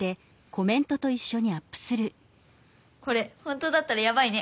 これ本当だったらヤバいね。